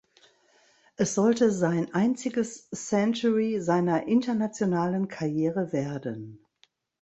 Es sollte sein einziges Century seiner internationalen Karriere werden.